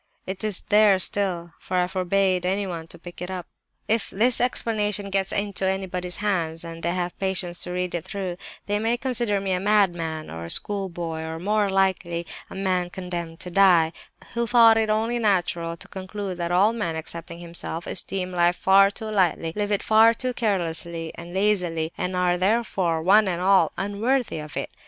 It is there still, for I forbade anyone to pick it up. "If this 'Explanation' gets into anybody's hands, and they have patience to read it through, they may consider me a madman, or a schoolboy, or, more likely, a man condemned to die, who thought it only natural to conclude that all men, excepting himself, esteem life far too lightly, live it far too carelessly and lazily, and are, therefore, one and all, unworthy of it.